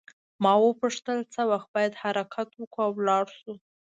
ما وپوښتل څه وخت باید حرکت وکړو او ولاړ شو.